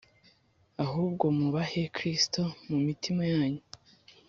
Ahubwo mwubahe Kristo mu mitima yanyu,